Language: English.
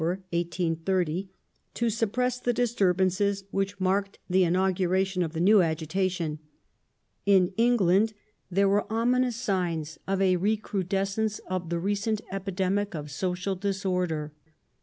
1830) to suppress the disturbances which marked the inauguration of the new agitation. In England there were ominous signs of a recru descence of the recent epidemic of social disorder.